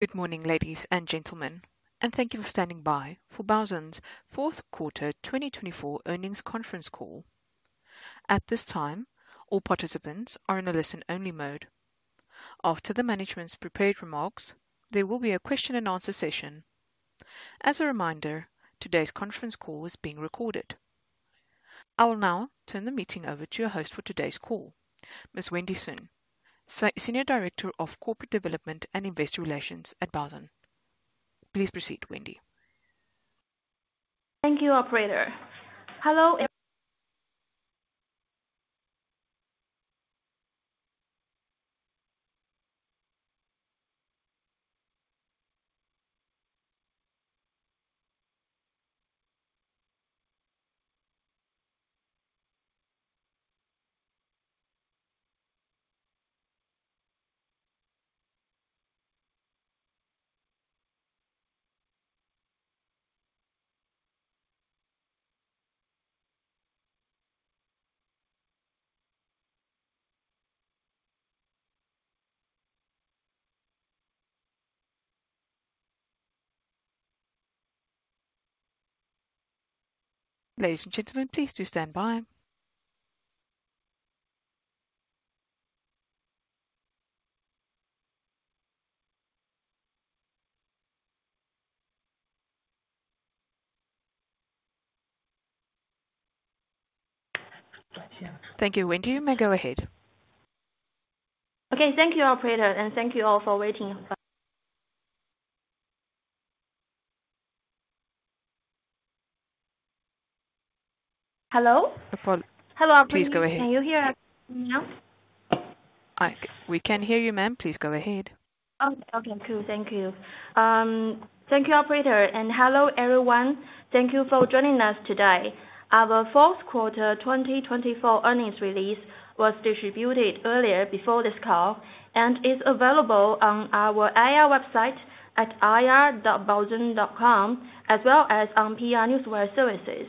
Good morning, ladies and gentlemen, and thank you for standing by for Baozun's fourth quarter 2024 earnings conference call. At this time, all participants are in a listen-only mode. After the management's prepared remarks, there will be a question-and-answer session. As a reminder, today's conference call is being recorded. I will now turn the meeting over to your host for today's call, Ms. Wendy Sun, Senior Director of Corporate Development and Investor Relations at Baozun. Please proceed, Wendy. Thank you, Operator. Hello. Ladies and gentlemen, please do stand by. Thank you, Wendy. You may go ahead. Okay. Thank you, Operator, and thank you all for waiting. Hello? Hello, Operator. Please go ahead. Can you hear me now? We can hear you, ma'am. Please go ahead. Okay. Okay. Cool. Thank you. Thank you, operator. Hello, everyone. Thank you for joining us today. Our fourth quarter 2024 earnings release was distributed earlier before this call and is available on our IR website at ir.baozun.com, as well as on PR Newswire services.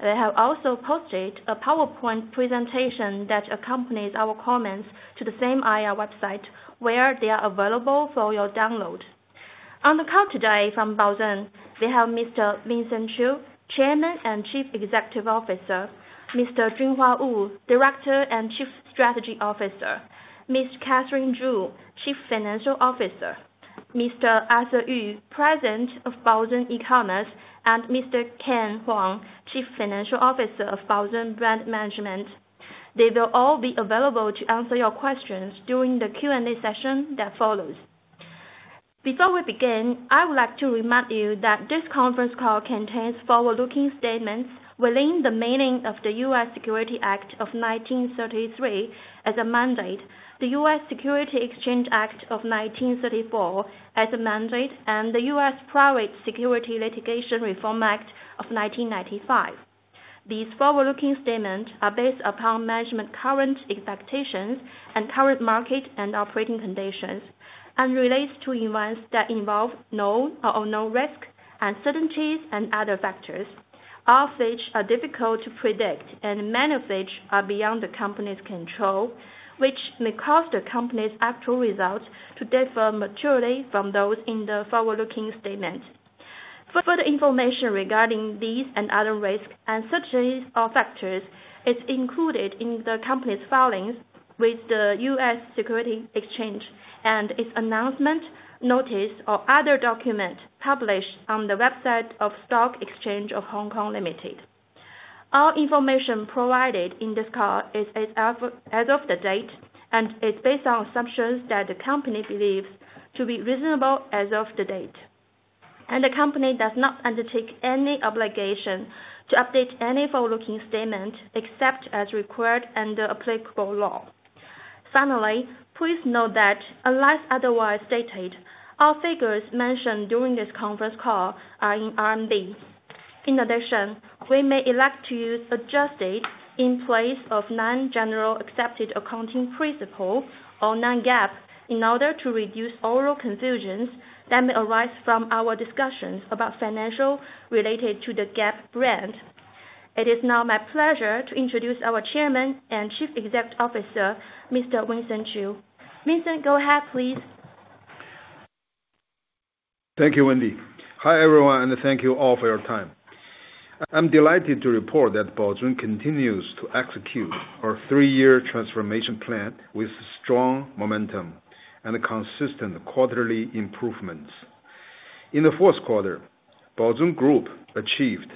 They have also posted a PowerPoint presentation that accompanies our comments to the same IR website, where they are available for your download. On the call today from Baozun, we have Mr. Vincent Qiu, Chairman and Chief Executive Officer; Mr. Junhua Wu, Director and Chief Strategy Officer; Ms. Catherine Zhu, Chief Financial Officer; Mr. Arthur Yu, President of Baozun E-Commerce; and Mr. Ken Huang, Chief Financial Officer of Baozun Brand Management. They will all be available to answer your questions during the Q&A session that follows. Before we begin, I would like to remind you that this conference call contains forward-looking statements within the meaning of the U.S. Security Act of 1933 as amended, the U.S. Security Exchange Act of 1934 as amended, and the U.S. Private Securities Litigation Reform Act of 1995. These forward-looking statements are based upon management's current expectations and current market and operating conditions, and relate to events that involve known or unknown risks, uncertainties, and other factors, all of which are difficult to predict, and many of which are beyond the company's control, which may cause the company's actual results to differ materially from those in the forward-looking statements. Further information regarding these and other risks and uncertainties or factors is included in the company's filings with the U.S. Security Exchange. All information provided in this call is as of the date, and is based on assumptions that the company believes to be reasonable as of the date. The company does not undertake any obligation to update any forward-looking statement except as required under applicable law. Finally, please note that, unless otherwise stated, all figures mentioned during this conference call are in RMB. In addition, we may elect to use adjusted in place of non-GAAP in order to reduce all confusions that may arise from our discussions about financial related to the GAAP brand. It is now my pleasure to introduce our Chairman and Chief Executive Officer, Mr. Vincent Qiu. Vincent, go ahead, please. Thank you, Wendy. Hi, everyone, and thank you all for your time. I'm delighted to report that Baozun continues to execute our three-year transformation plan with strong momentum and consistent quarterly improvements. In the fourth quarter, Baozun Group achieved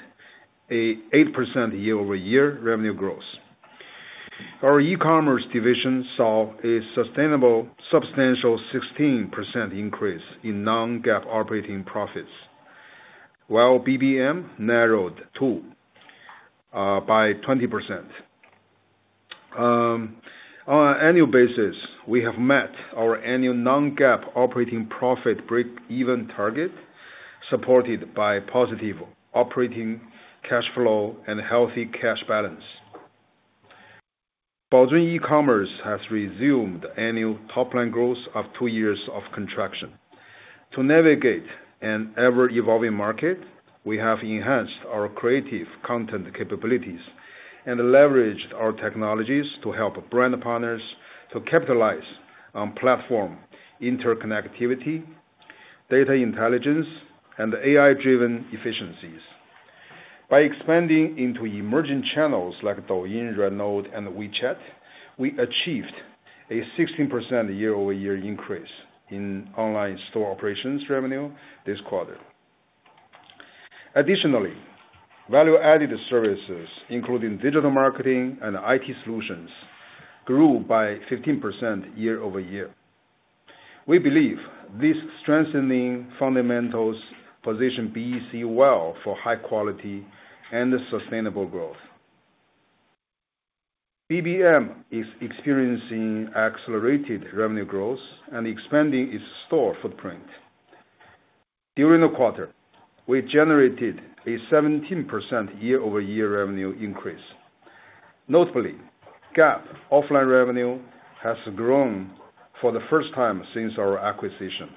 an 8% year-over-year revenue growth. Our e-commerce division saw a sustainable, substantial 16% increase in non-GAAP operating profits, while BBM narrowed too by 20%. On an annual basis, we have met our annual non-GAAP operating profit break-even target, supported by positive operating cash flow and healthy cash balance. Baozun e-commerce has resumed annual top-line growth after two years of contraction. To navigate an ever-evolving market, we have enhanced our creative content capabilities and leveraged our technologies to help brand partners to capitalize on platform interconnectivity, data intelligence, and AI-driven efficiencies. By expanding into emerging channels like Douyin, RedNote, and WeChat, we achieved a 16% year-over-year increase in online store operations revenue this quarter. Additionally, value-added services, including digital marketing and IT solutions, grew by 15% year-over-year. We believe these strengthening fundamentals position BEC well for high-quality and sustainable growth. BBM is experiencing accelerated revenue growth and expanding its store footprint. During the quarter, we generated a 17% year-over-year revenue increase. Notably, Gap offline revenue has grown for the first time since our acquisition.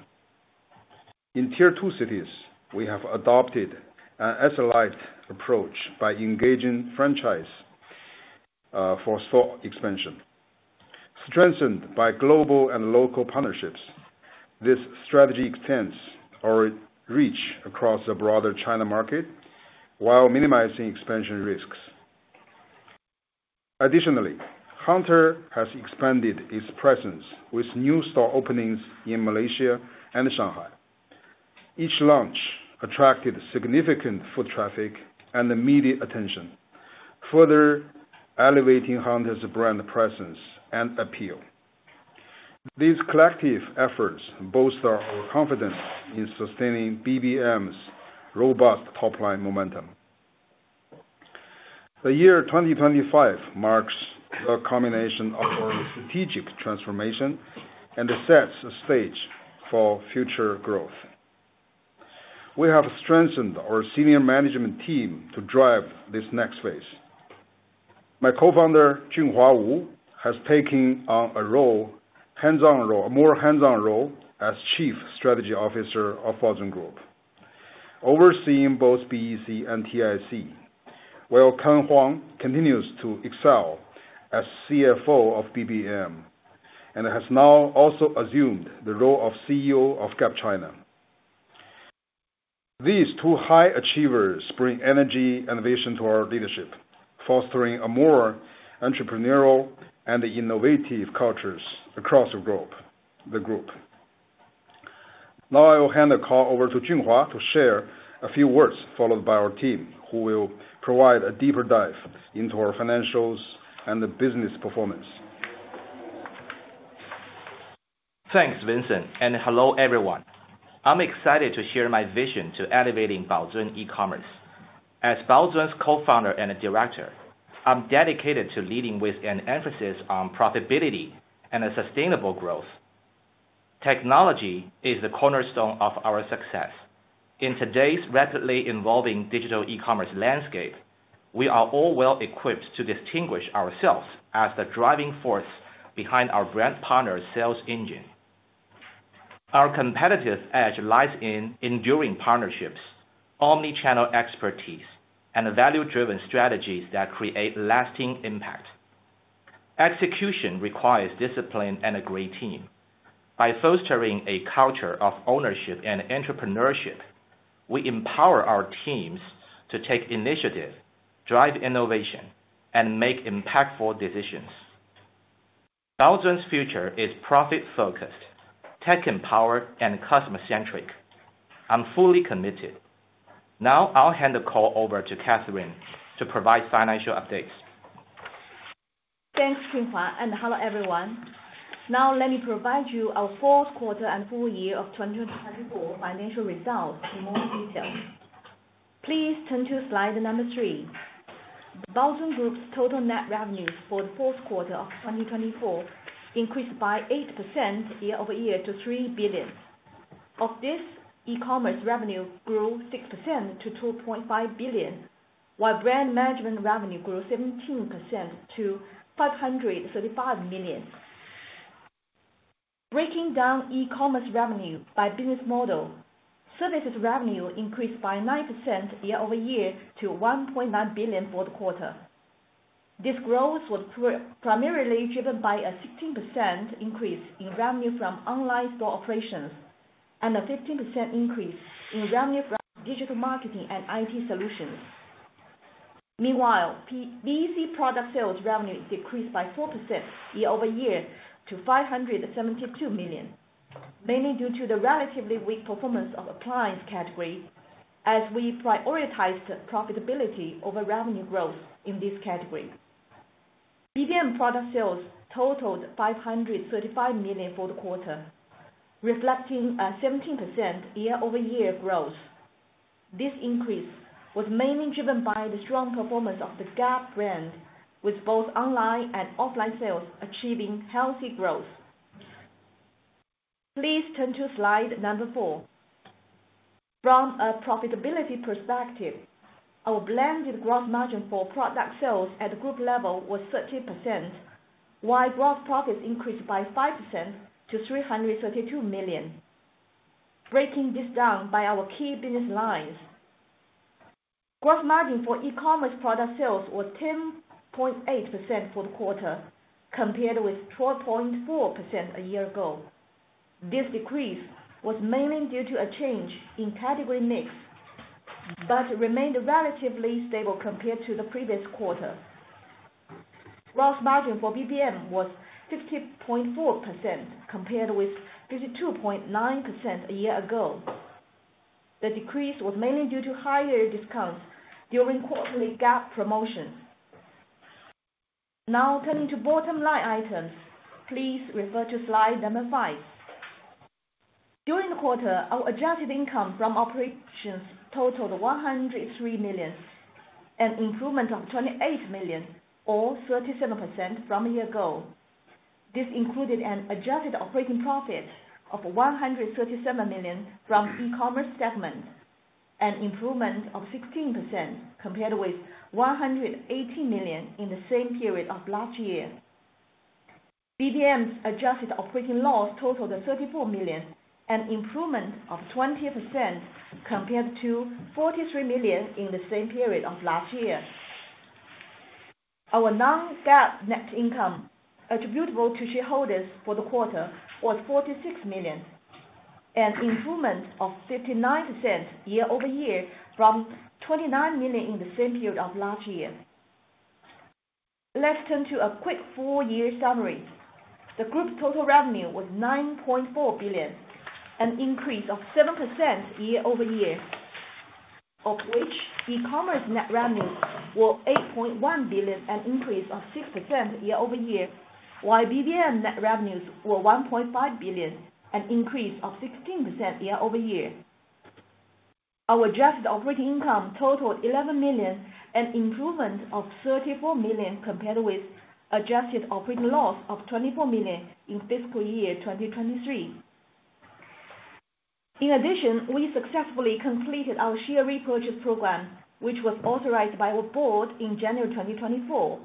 In tier two cities, we have adopted an asset-light approach by engaging franchise for store expansion. Strengthened by global and local partnerships, this strategy extends our reach across the broader China market while minimizing expansion risks. Additionally, Hunter has expanded its presence with new store openings in Malaysia and Shanghai. Each launch attracted significant foot traffic and media attention, further elevating Hunter's brand presence and appeal. These collective efforts bolster our confidence in sustaining BBM's robust top-line momentum. The year 2025 marks the culmination of our strategic transformation and sets the stage for future growth. We have strengthened our senior management team to drive this next phase. My co-founder, Junhua Wu, has taken on a more hands-on role as Chief Strategy Officer of Baozun Group, overseeing both BEC and TIC, while Ken Huang continues to excel as CFO of BBM and has now also assumed the role of CEO of Gap China. These two high achievers bring energy and vision to our leadership, fostering a more entrepreneurial and innovative culture across the group. Now, I will hand the call over to Junhua to share a few words followed by our team, who will provide a deeper dive into our financials and business performance. Thanks, Vincent, and hello, everyone. I'm excited to share my vision to elevating Baozun e-commerce. As Baozun's co-founder and director, I'm dedicated to leading with an emphasis on profitability and sustainable growth. Technology is the cornerstone of our success. In today's rapidly evolving digital e-commerce landscape, we are all well-equipped to distinguish ourselves as the driving force behind our brand partner's sales engine. Our competitive edge lies in enduring partnerships, omnichannel expertise, and value-driven strategies that create lasting impact. Execution requires discipline and a great team. By fostering a culture of ownership and entrepreneurship, we empower our teams to take initiative, drive innovation, and make impactful decisions. Baozun's future is profit-focused, tech-empowered, and customer-centric. I'm fully committed. Now, I'll hand the call over to Catherine to provide financial updates. Thanks, Junhua, and hello, everyone. Now, let me provide you our fourth quarter and full year of 2024 financial results in more detail. Please turn to slide number three. Baozun Group's total net revenues for the fourth quarter of 2024 increased by 8% year-over-year to 3 billion. Of this, e-commerce revenue grew 6% to 2.5 billion, while brand management revenue grew 17% to 535 million. Breaking down e-commerce revenue by business model, services revenue increased by 9% year-over-year to 1.9 billion for the quarter. This growth was primarily driven by a 16% increase in revenue from online store operations and a 15% increase in revenue from digital marketing and IT solutions. Meanwhile, BEC product sales revenue decreased by 4% year-over-year to 572 million, mainly due to the relatively weak performance of appliance category, as we prioritized profitability over revenue growth in this category. BBM product sales totaled 535 million for the quarter, reflecting a 17% year-over-year growth. This increase was mainly driven by the strong performance of the Gap brand, with both online and offline sales achieving healthy growth. Please turn to slide number four. From a profitability perspective, our blended gross margin for product sales at the group level was 30%, while gross profits increased by 5% to 332 million. Breaking this down by our key business lines, gross margin for e-commerce product sales was 10.8% for the quarter, compared with 12.4% a year ago. This decrease was mainly due to a change in category mix, but remained relatively stable compared to the previous quarter. Gross margin for BBM was 50.4%, compared with 52.9% a year ago. The decrease was mainly due to higher discounts during quarterly Gap promotions. Now, turning to bottom-line items, please refer to slide number five. During the quarter, our adjusted income from operations totaled 103 million, an improvement of 28 million, or 37% from a year ago. This included an adjusted operating profit of 137 million from e-commerce segment, an improvement of 16%, compared with 118 million in the same period of last year. BBM's adjusted operating loss totaled 34 million, an improvement of 20%, compared to 43 million in the same period of last year. Our non-GAAP net income attributable to shareholders for the quarter was 46 million, an improvement of 59% year-over-year from 29 million in the same period of last year. Let's turn to a quick four-year summary. The group's total revenue was 9.4 billion, an increase of 7% year-over-year, of which e-commerce net revenues were 8.1 billion, an increase of 6% year-over-year, while BBM net revenues were 1.5 billion, an increase of 16% year-over-year. Our adjusted operating income totaled 11 million, an improvement of 34 million, compared with adjusted operating loss of 24 million in fiscal year 2023. In addition, we successfully completed our share repurchase program, which was authorized by our board in January 2024.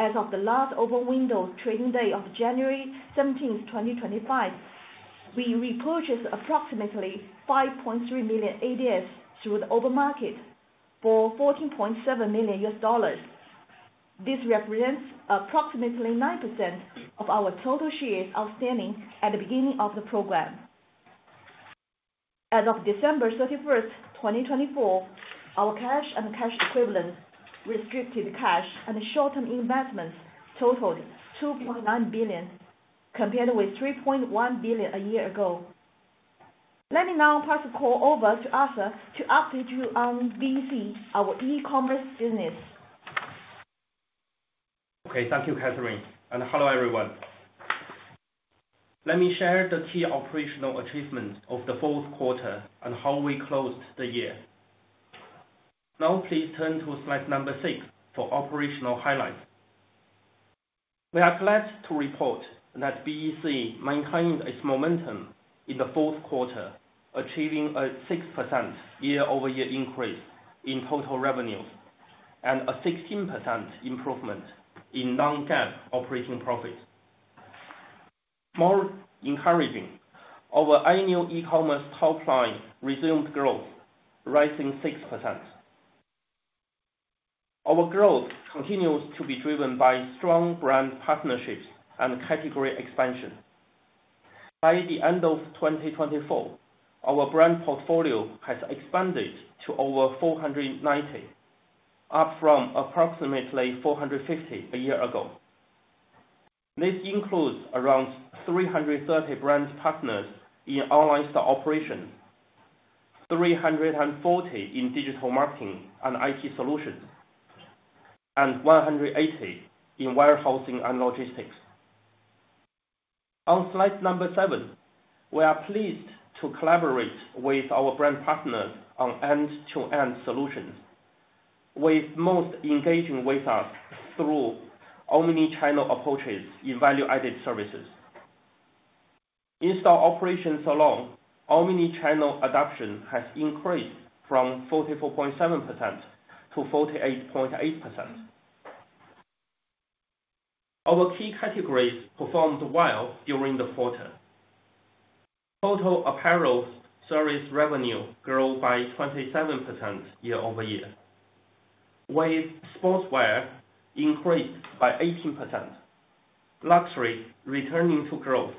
As of the last open window trading day of January 17th, 2025, we repurchased approximately 5.3 million ADS through the open market for $14.7 million. This represents approximately 9% of our total shares outstanding at the beginning of the program. As of December 31st, 2024, our cash and cash equivalent, restricted cash and short-term investments totaled 2.9 billion, compared with 3.1 billion a year ago. Let me now pass the call over to Arthur to update you on BEC, our e-commerce business. Okay, thank you, Catherine. Hello, everyone. Let me share the key operational achievements of the fourth quarter and how we closed the year. Now, please turn to slide number six for operational highlights. We are glad to report that BEC maintained its momentum in the fourth quarter, achieving a 6% year-over-year increase in total revenues and a 16% improvement in non-GAAP operating profit. More encouraging, our annual e-commerce top-line resumed growth, rising 6%. Our growth continues to be driven by strong brand partnerships and category expansion. By the end of 2024, our brand portfolio has expanded to over 490, up from approximately 450 a year ago. This includes around 330 brand partners in online store operations, 340 in digital marketing and IT solutions, and 180 in warehousing and logistics. On slide number seven, we are pleased to collaborate with our brand partners on end-to-end solutions, with most engaging with us through omnichannel approaches in value-added services. In store operations alone, omnichannel adoption has increased from 44.7%-48.8%. Our key categories performed well during the quarter. Total apparel service revenue grew by 27% year-over-year, with sportswear increased by 18%, luxury returning to growth,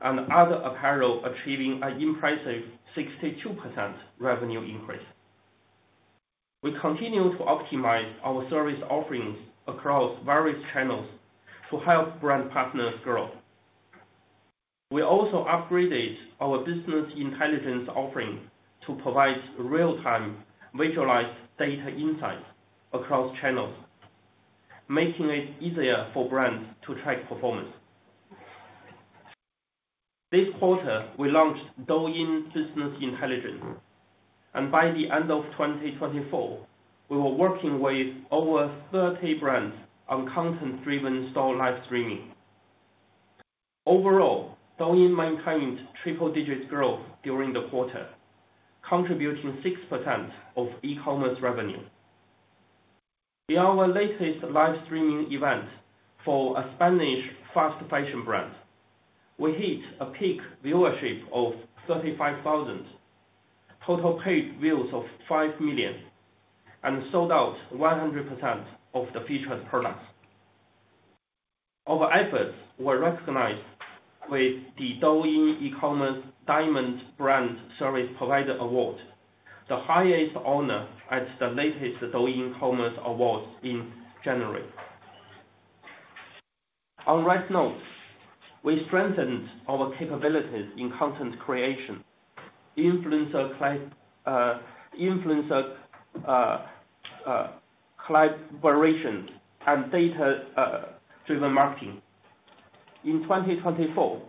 and other apparel achieving an impressive 62% revenue increase. We continue to optimize our service offerings across various channels to help brand partners grow. We also upgraded our business intelligence offering to provide real-time visualized data insights across channels, making it easier for brands to track performance. This quarter, we launched Douyin Business Intelligence, and by the end of 2024, we were working with over 30 brands on content-driven store livestreaming. Overall, Douyin maintained triple-digit growth during the quarter, contributing 6% of e-commerce revenue. In our latest live streaming event for a Spanish fast fashion brand, we hit a peak viewership of 35,000, total paid views of 5 million, and sold out 100% of the featured products. Our efforts were recognized with the Douyin E-Commerce Diamond Brand Service Provider Award, the highest honor at the latest Douyin Commerce Awards in January. On that note, we strengthened our capabilities in content creation, influencer collaboration, and data-driven marketing. In 2024,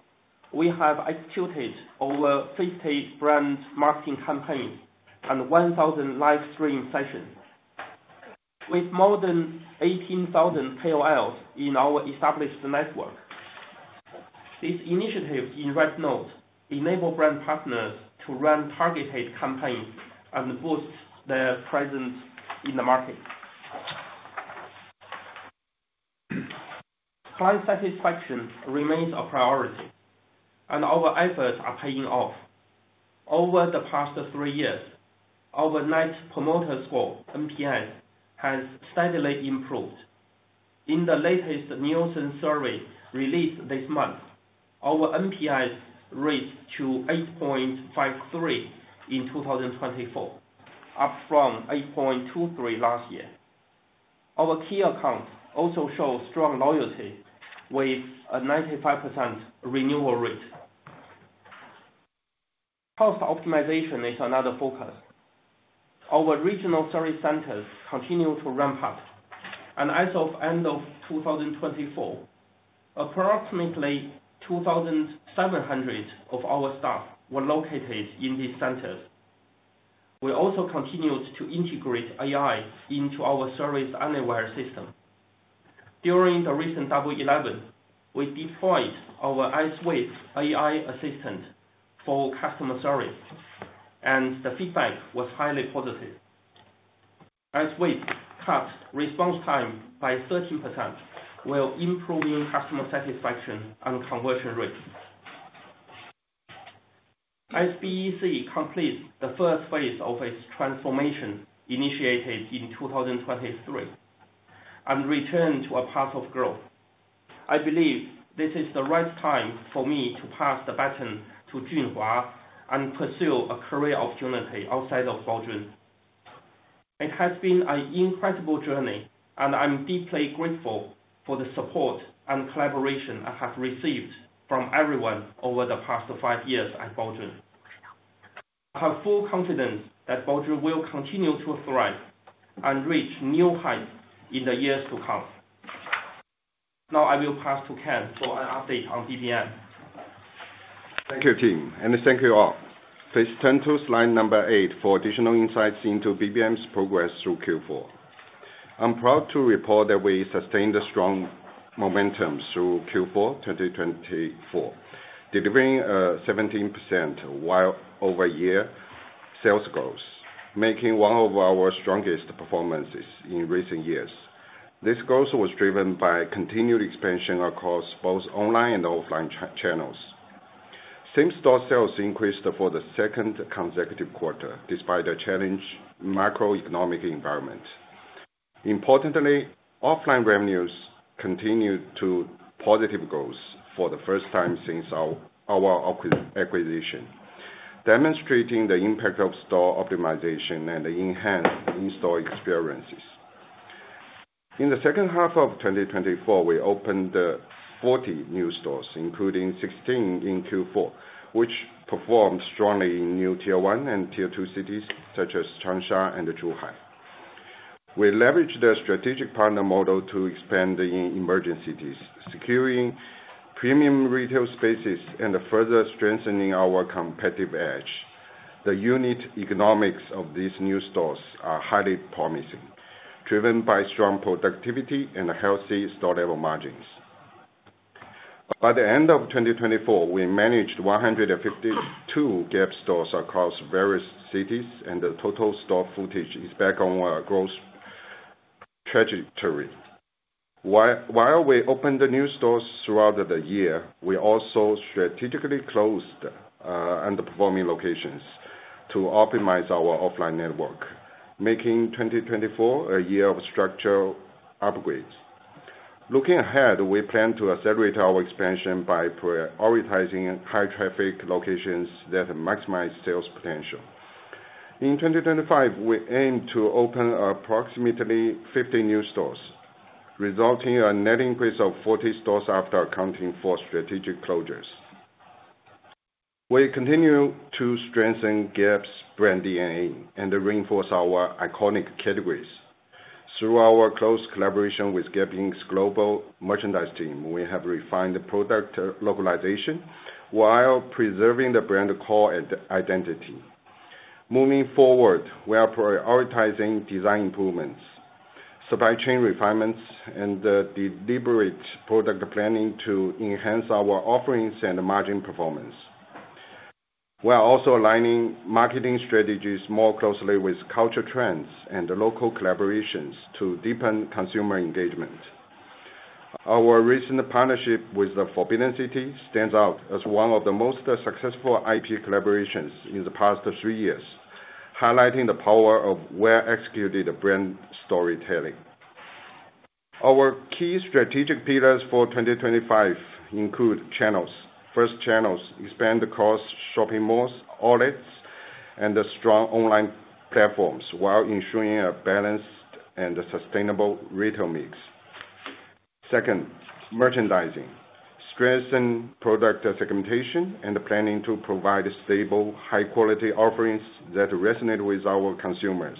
we have executed over 50 brand marketing campaigns and 1,000 live stream sessions, with more than 18,000 KOLs in our established network. These initiatives in RedNote enable brand partners to run targeted campaigns and boost their presence in the market. Client satisfaction remains a priority, and our efforts are paying off. Over the past three years, our net promoter score, NPS, has steadily improved. In the latest Nielsen survey released this month, our MPI rose to 8.53 in 2024, up from 8.23 last year. Our key accounts also show strong loyalty with a 95% renewal rate. Cost optimization is another focus. Our regional service centers continue to ramp up, and as of end of 2024, approximately 2,700 of our staff were located in these centers. We also continued to integrate AI into our Service Anywhere system. During the recent Double 11, we deployed our IceWave AI assistant for customer service, and the feedback was highly positive. IceWave cut response time by 13% while improving customer satisfaction and conversion rate. As BEC completes the first phase of its transformation initiated in 2023 and returned to a path of growth, I believe this is the right time for me to pass the baton to Junhua and pursue a career opportunity outside of Baozun. It has been an incredible journey, and I'm deeply grateful for the support and collaboration I have received from everyone over the past five years at Baozun. I have full confidence that Baozun will continue to thrive and reach new heights in the years to come. Now, I will pass to Ken for an update on BBM. Thank you, team, and thank you all. Please turn to slide number eight for additional insights into BBM's progress through Q4. I'm proud to report that we sustained a strong momentum through Q4 2024, delivering a 17% year-over-year sales growth, making one of our strongest performances in recent years. This growth was driven by continued expansion across both online and offline channels. Same store sales increased for the second consecutive quarter, despite a challenging macroeconomic environment. Importantly, offline revenues continued to positive growth for the first time since our acquisition, demonstrating the impact of store optimization and enhanced in-store experiences. In the second half of 2024, we opened 40 new stores, including 16 in Q4, which performed strongly in new Tier 1 and Tier 2 cities such as Changsha and Zhuhai. We leveraged the strategic partner model to expand in emerging cities, securing premium retail spaces and further strengthening our competitive edge. The unit economics of these new stores are highly promising, driven by strong productivity and healthy store-level margins. By the end of 2024, we managed 152 Gap stores across various cities, and the total store footage is back on a growth trajectory. While we opened new stores throughout the year, we also strategically closed underperforming locations to optimize our offline network, making 2024 a year of structural upgrades. Looking ahead, we plan to accelerate our expansion by prioritizing high-traffic locations that maximize sales potential. In 2025, we aim to open approximately 50 new stores, resulting in a net increase of 40 stores after accounting for strategic closures. We continue to strengthen Gap's brand DNA and reinforce our iconic categories. Through our close collaboration with Gap Inc.'s global merchandise team, we have refined product localization while preserving the brand core identity. Moving forward, we are prioritizing design improvements, supply chain refinements, and deliberate product planning to enhance our offerings and margin performance. We are also aligning marketing strategies more closely with culture trends and local collaborations to deepen consumer engagement. Our recent partnership with the Forbidden City stands out as one of the most successful IP collaborations in the past three years, highlighting the power of well-executed brand storytelling. Our key strategic pillars for 2025 include channels. First, channels expand across shopping malls, outlets, and strong online platforms while ensuring a balanced and sustainable retail mix. Second, merchandising strengthens product segmentation and planning to provide stable, high-quality offerings that resonate with our consumers.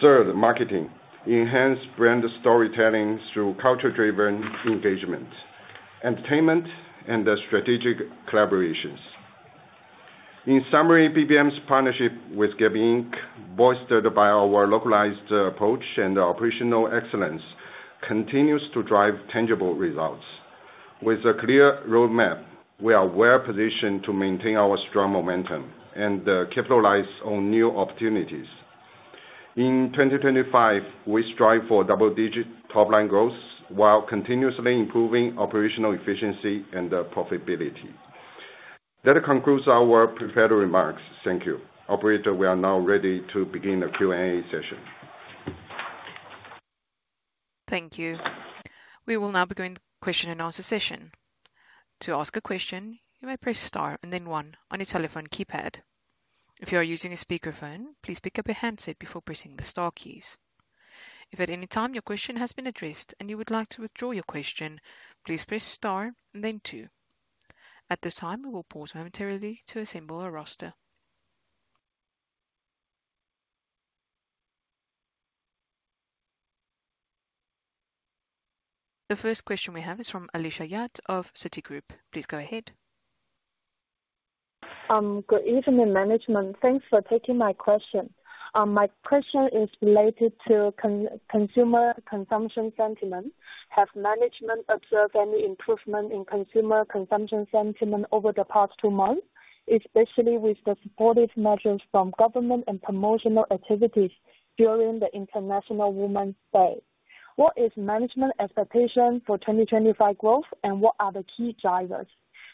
Third, marketing enhances brand storytelling through culture-driven engagement, entertainment, and strategic collaborations. In summary, BBM's partnership with Gap Inc., bolstered by our localized approach and operational excellence, continues to drive tangible results. With a clear roadmap, we are well positioned to maintain our strong momentum and capitalize on new opportunities. In 2025, we strive for double-digit top-line growth while continuously improving operational efficiency and profitability. That concludes our prepared remarks. Thank you. Operator, we are now ready to begin the Q&A session. Thank you. We will now begin the question and answer session. To ask a question, you may press Star and then One on your telephone keypad. If you are using a speakerphone, please pick up your handset before pressing the Star keys. If at any time your question has been addressed and you would like to withdraw your question, please press Star and then Two. At this time, we will pause momentarily to assemble a roster. The first question we have is from Alicia Yap of Citigroup. Please go ahead. Good evening, management. Thanks for taking my question. My question is related to consumer consumption sentiment. Has management observed any improvement in consumer consumption sentiment over the past two months, especially with the supportive measures from government and promotional activities during the International Women's Day? What is management's expectation for 2025 growth, and what are the key drivers?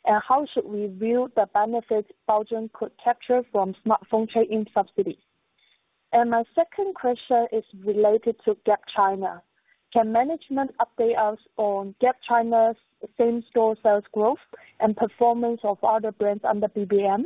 How should we view the benefits Baozun could capture from smartphone trade-in subsidies? My second question is related to Gap China. Can management update us on Gap China's same store sales growth and performance of other brands under BBM?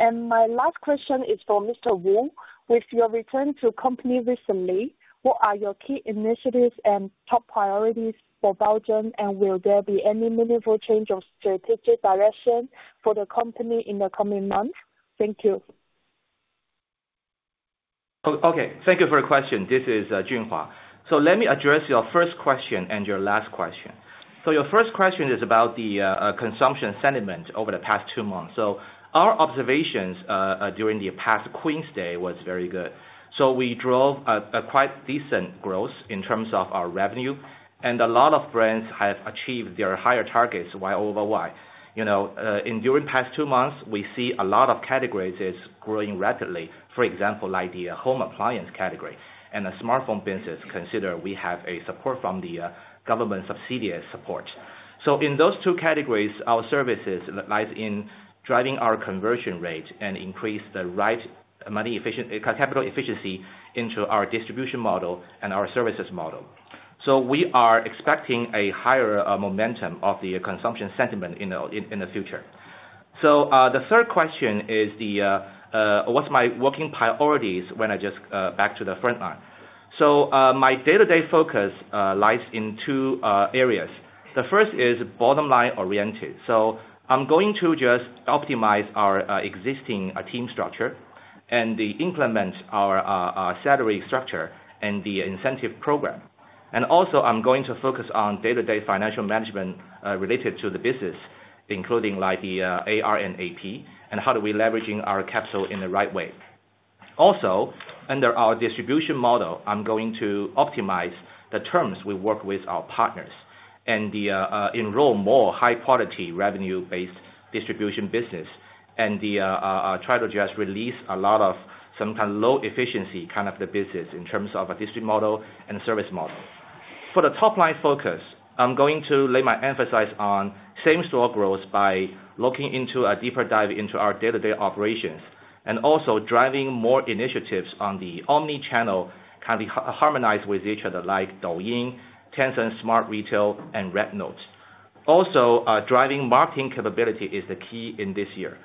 My last question is for Mr. Wu. With your return to the company recently, what are your key initiatives and top priorities for Baozun, and will there be any meaningful change of strategic direction for the company in the coming months? Thank you. Okay. Thank you for your question. This is Junhua. Let me address your first question and your last question. Your first question is about the consumption sentiment over the past two months. Our observations during the past Queen's Day were very good. We drove quite decent growth in terms of our revenue, and a lot of brands have achieved their higher targets while overall, during the past two months, we see a lot of categories growing rapidly. For example, like the home appliance category and the smartphone business, consider we have support from the government subsidy support. In those two categories, our services lie in driving our conversion rate and increase the right capital efficiency into our distribution model and our services model. We are expecting a higher momentum of the consumption sentiment in the future. The third question is, what's my working priorities when I just back to the front line? My day-to-day focus lies in two areas. The first is bottom-line oriented. I'm going to just optimize our existing team structure and implement our salary structure and the incentive program. Also, I'm going to focus on day-to-day financial management related to the business, including like the AR and AP, and how do we leverage our capital in the right way. Also, under our distribution model, I'm going to optimize the terms we work with our partners and enroll more high-quality revenue-based distribution business and try to just release a lot of some kind of low-efficiency kind of the business in terms of a district model and service model. For the top-line focus, I'm going to lay my emphasis on same store growth by looking into a deeper dive into our day-to-day operations and also driving more initiatives on the omnichannel kind of harmonize with each other like Douyin, Tencent Smart Retail, and RedNote. Also, driving marketing capability is the key in this year.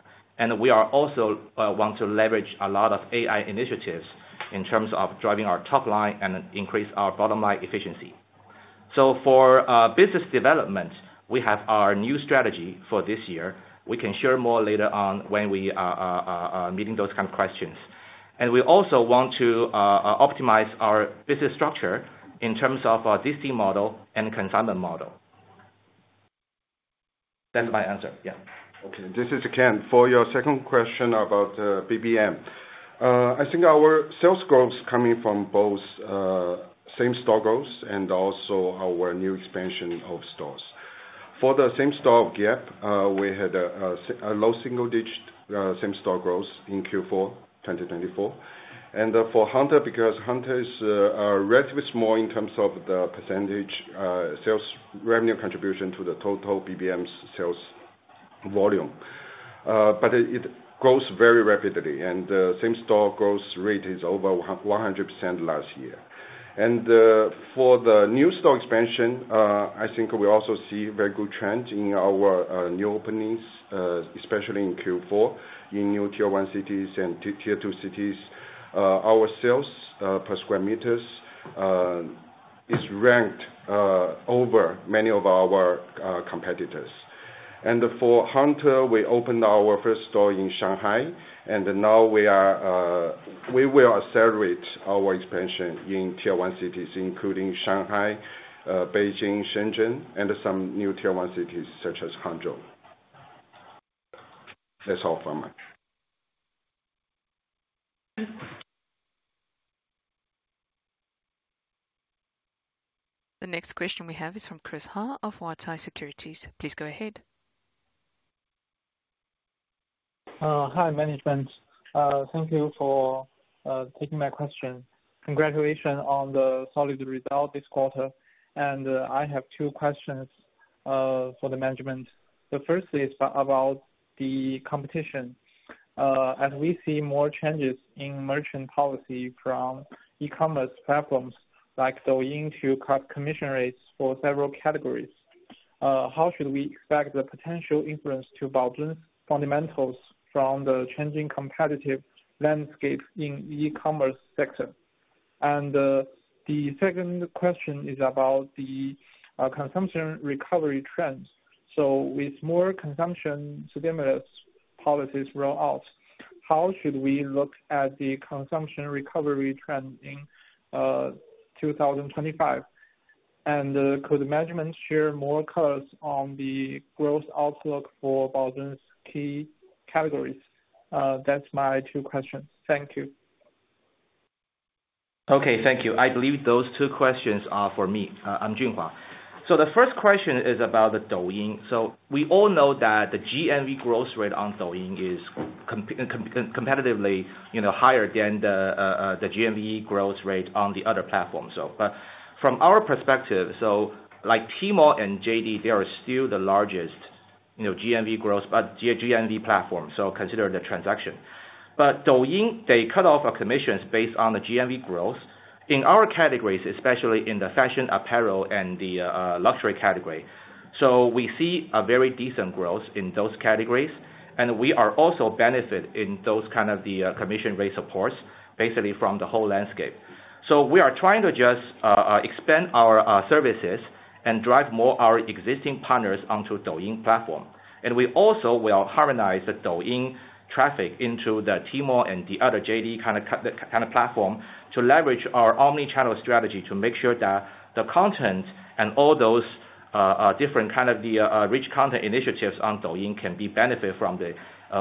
We also want to leverage a lot of AI initiatives in terms of driving our top line and increase our bottom-line efficiency. For business development, we have our new strategy for this year. We can share more later on when we are meeting those kind of questions. We also want to optimize our business structure in terms of our DC model and consumption model. That's my answer. Yeah. Okay. This is Ken. For your second question about BBM, I think our sales growth is coming from both same store growth and also our new expansion of stores. For the same store of Gap, we had a low single-digit same store growth in Q4 2024. For Hunter, because Hunter is relatively small in terms of the percentage sales revenue contribution to the total BBM sales volume, but it grows very rapidly, and the same store growth rate is over 100% last year. For the new store expansion, I think we also see very good trends in our new openings, especially in Q4, in new Tier 1 cities and Tier 2 cities. Our sales per square meter is ranked over many of our competitors. For Hunter, we opened our first store in Shanghai, and now we will accelerate our expansion in Tier 1 cities, including Shanghai, Beijing, Shenzhen, and some new Tier 1 cities such as Hangzhou. That's all from me. The next question we have is from Chris Ha of Guotai Securities. Please go ahead. Hi, management. Thank you for taking my question. Congratulations on the solid result this quarter. I have two questions for the management. The first is about the competition. As we see more changes in merchant policy from e-commerce platforms like Douyin to cut commission rates for several categories, how should we expect the potential influence to Baozun's fundamentals from the changing competitive landscape in the e-commerce sector? The second question is about the consumption recovery trends. With more consumption stimulus policies rolled out, how should we look at the consumption recovery trend in 2025? Could management share more colors on the growth outlook for Baozun's key categories? That's my two questions. Thank you. Okay. Thank you. I believe those two questions are for me. I'm Junhua. The first question is about Douyin. We all know that the GMV growth rate on Douyin is competitively higher than the GMV growth rate on the other platforms. From our perspective, Tmall and JD.com are still the largest GMV growth GMV platforms, considering the transaction. Douyin cuts off commissions based on the GMV growth in our categories, especially in the fashion, apparel, and luxury category. We see a very decent growth in those categories, and we are also benefiting in those kinds of commission rate supports, basically from the whole landscape. We are trying to just expand our services and drive more of our existing partners onto the Douyin platform. We also will harmonize the Douyin traffic into the Tmall and the other JD.com kind of platform to leverage our omnichannel strategy to make sure that the content and all those different kind of the rich content initiatives on Douyin can benefit from the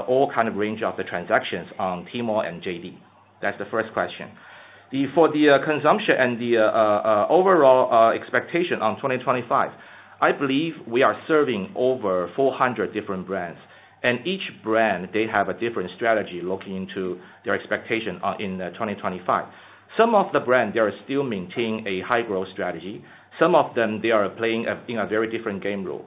all kind of range of the transactions on Tmall and JD.com. That is the first question. For the consumption and the overall expectation on 2025, I believe we are serving over 400 different brands. Each brand, they have a different strategy looking into their expectation in 2025. Some of the brands, they are still maintaining a high-growth strategy. Some of them, they are playing in a very different game role.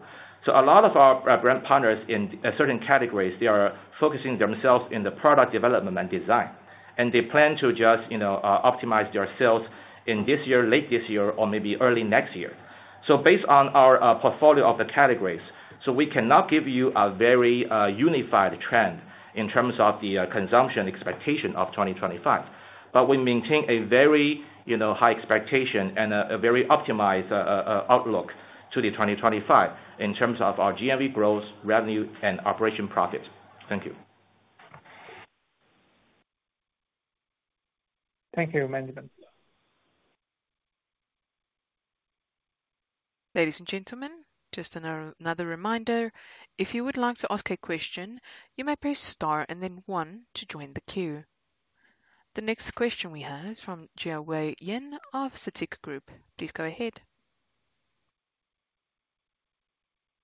A lot of our brand partners in certain categories, they are focusing themselves in the product development and design. They plan to just optimize their sales this year, late this year, or maybe early next year. Based on our portfolio of the categories, we cannot give you a very unified trend in terms of the consumption expectation of 2025. We maintain a very high expectation and a very optimized outlook to 2025 in terms of our GMV growth, revenue, and operation profits. Thank you. Thank you, management. Ladies and gentlemen, just another reminder. If you would like to ask a question, you may press Star and then One to join the queue. The next question we have is from Jiawei Yin of Citigroup. Please go ahead.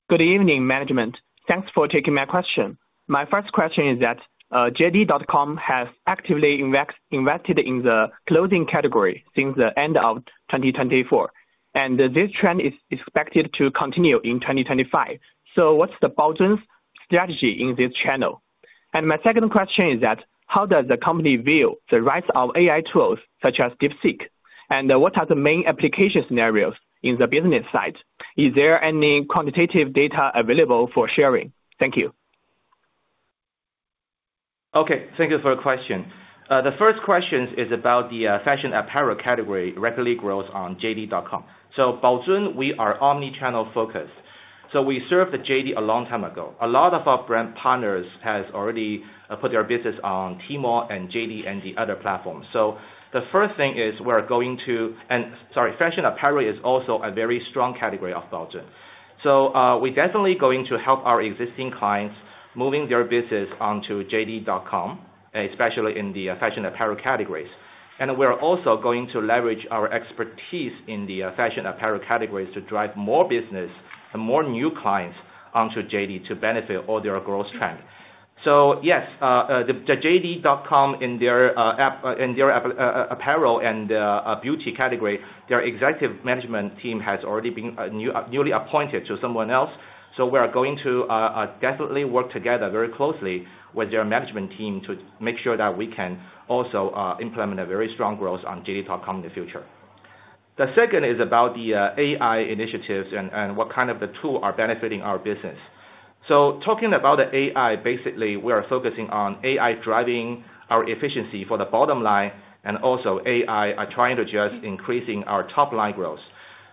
Good evening, management. Thanks for taking my question. My first question is that JD.com has actively invested in the clothing category since the end of 2024. This trend is expected to continue in 2025. What is Baozun's strategy in this channel? My second question is how does the company view the rise of AI tools such as DeepSeek? What are the main application scenarios on the business side? Is there any quantitative data available for sharing? Thank you. Okay. Thank you for the question. The first question is about the fashion apparel category rapidly grows on JD.com. Baozun, we are omnichannel focused. We served JD a long time ago. A lot of our brand partners have already put their business on Tmall and JD and the other platforms. The first thing is we are going to, and sorry, fashion apparel is also a very strong category of Baozun. We're definitely going to help our existing clients moving their business onto JD.com, especially in the fashion apparel categories. We are also going to leverage our expertise in the fashion apparel categories to drive more business and more new clients onto JD to benefit all their growth trend. Yes, JD.com in their apparel and beauty category, their executive management team has already been newly appointed to someone else. We are going to definitely work together very closely with their management team to make sure that we can also implement a very strong growth on JD.com in the future. The second is about the AI initiatives and what kind of the tools are benefiting our business. Talking about the AI, basically, we are focusing on AI driving our efficiency for the bottom line, and also AI are trying to just increase our top-line growth.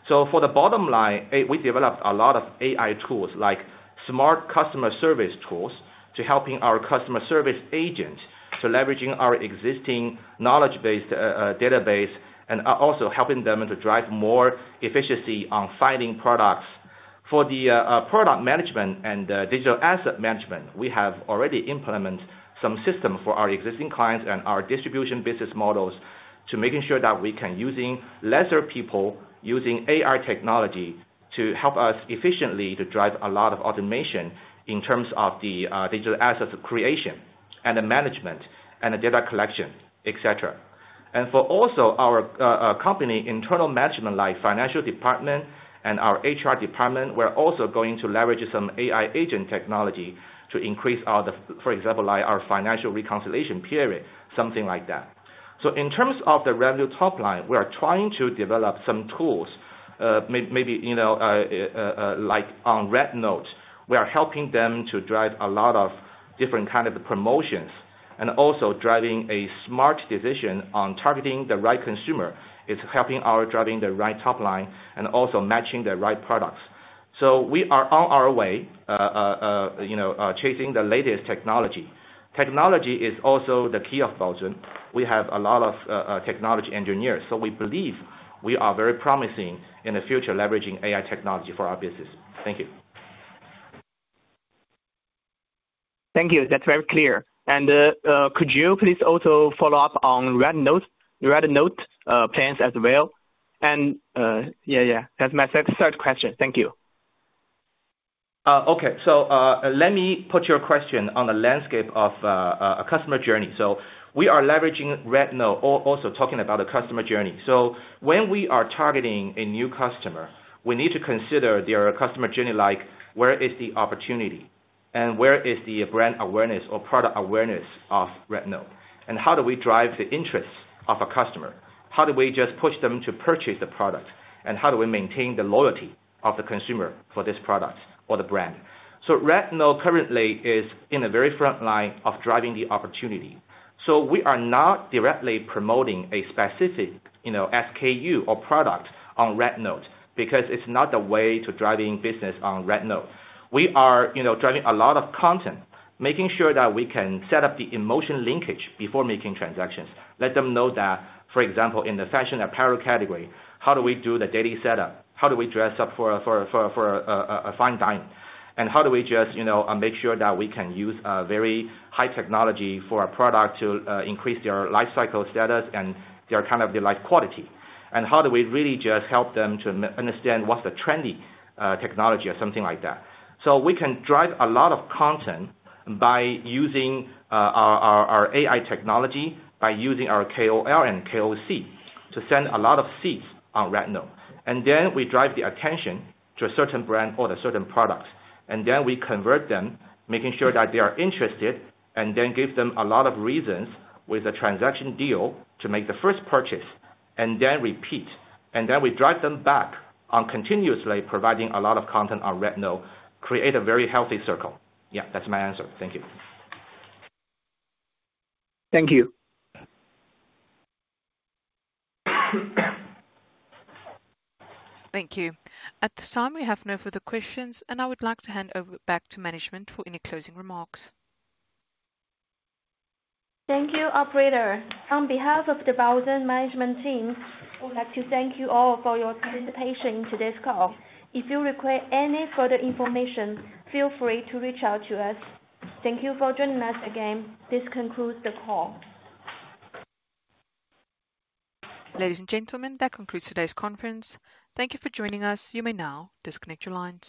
For the bottom line, we developed a lot of AI tools like smart customer service tools to help our customer service agents to leverage our existing knowledge-based database and also helping them to drive more efficiency on finding products. For the product management and digital asset management, we have already implemented some systems for our existing clients and our distribution business models to make sure that we can use fewer people using AI technology to help us efficiently to drive a lot of automation in terms of the digital asset creation and management and data collection, etc. For also our company internal management, like financial department and our HR department, we're also going to leverage some AI agent technology to increase our, for example, like our financial reconciliation period, something like that. In terms of the revenue top line, we are trying to develop some tools, maybe like on RedNote, we are helping them to drive a lot of different kinds of promotions and also driving a smart decision on targeting the right consumer. It's helping our driving the right top line and also matching the right products. We are on our way chasing the latest technology. Technology is also the key of Baozun. We have a lot of technology engineers. We believe we are very promising in the future leveraging AI technology for our business. Thank you. Thank you. That's very clear. Could you please also follow up on RedNote plans as well? Yeah, that's my third question. Thank you. Okay. Let me put your question on the landscape of a customer journey. We are leveraging RedNote, also talking about the customer journey. When we are targeting a new customer, we need to consider their customer journey, like where is the opportunity and where is the brand awareness or product awareness of RedNote? How do we drive the interest of a customer? How do we just push them to purchase the product? How do we maintain the loyalty of the consumer for this product or the brand? RedNote currently is in the very front line of driving the opportunity. We are not directly promoting a specific SKU or product on RedNote because it is not the way to drive business on RedNote. We are driving a lot of content, making sure that we can set up the emotion linkage before making transactions. Let them know that, for example, in the fashion apparel category, how do we do the daily setup? How do we dress up for a fine dine? How do we just make sure that we can use very high technology for our product to increase their lifecycle status and their kind of the life quality? How do we really just help them to understand what's the trendy technology or something like that? We can drive a lot of content by using our AI technology, by using our KOL and KOC to send a lot of seeds on RedNote. We drive the attention to a certain brand or a certain product. We convert them, making sure that they are interested, and then give them a lot of reasons with a transaction deal to make the first purchase, and then repeat. We drive them back on continuously providing a lot of content on RedNote, create a very healthy circle. Yeah, that's my answer. Thank you. Thank you. Thank you. At this time, we have no further questions, and I would like to hand over back to management for any closing remarks. Thank you, operator. On behalf of the Baozun management team, we would like to thank you all for your participation in today's call. If you require any further information, feel free to reach out to us. Thank you for joining us again. This concludes the call. Ladies and gentlemen, that concludes today's conference. Thank you for joining us. You may now disconnect your lines.